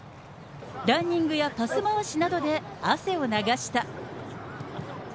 ランニングやパス回しなどで汗を流した。